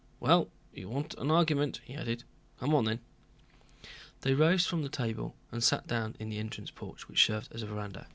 Well, you want an argument," he added, "come on then." They rose from the table and sat down in the entrance porch which served as a veranda.